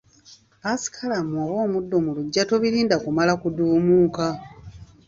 Ppaasikalamu oba omuddo mu luggya tobirinda kumala kuduumuuka